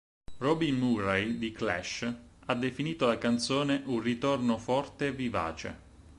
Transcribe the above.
Robin Murray di "Clash" ha definito la canzone "un ritorno forte e vivace".